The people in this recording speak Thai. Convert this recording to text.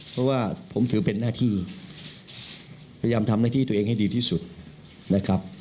เพราะว่าผมถือเป็นหน้าที่พยายามทำหน้าที่ตัวเองให้ดีที่สุดนะครับ